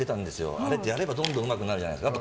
あれってやればやるほどうまくなるじゃないですか。